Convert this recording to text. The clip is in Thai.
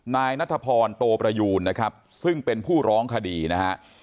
นายนัทพรโตประยูนนะครับซึ่งเป็นผู้ร้องคดีนะฮะ